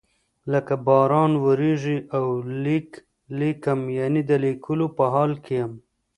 لکه باران وریږي او لیک لیکم یعنی د لیکلو په حال کې یم.